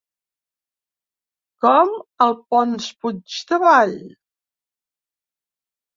Com el Ponç Puigdevall?